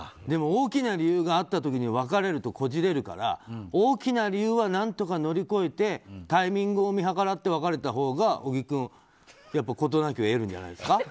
でも、大きな理由があった時に別れるとこじれるから大きな理由は何とか乗り越えてタイミングを見計らって別れたほうが小木君事なきを得るんじゃないですか？